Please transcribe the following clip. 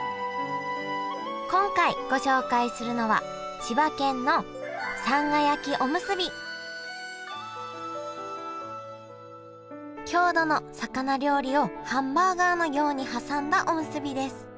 今回ご紹介するのは郷土の魚料理をハンバーガーのように挟んだおむすびです。